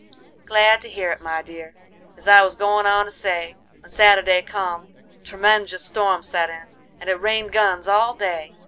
"Glad to hear it, my dear. As I was goin' on to say, when Saturday come, a tremenjus storm set in, and it rained guns all day.